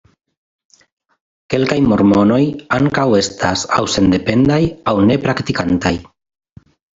Kelkaj mormonoj ankaŭ estas aŭ sendependaj aŭ ne-praktikantaj.